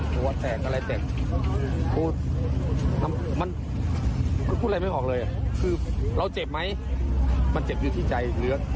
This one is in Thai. หัวแตกอะไรแตกพูดมันพูดอะไรไม่ออกเลยคือเราเจ็บไหมมันเจ็บอยู่ที่ใจเหลือ